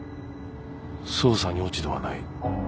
捜査に落ち度はない。